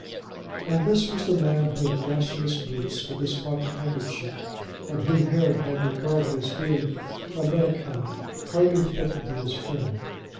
And this was the man who had dusted his boots with his pocket handkerchief, and whom Harry had regarded as being on that account hardly fit to be his friend!